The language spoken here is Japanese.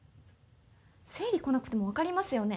生理こなくても分かりますよね？